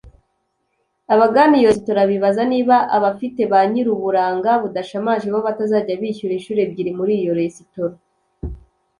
Abagana iyo resitora bibaza niba abafite ba nyir’uburanga budashamaje bo batazajya bishyura inshuro ebyiri muri iyo Resitora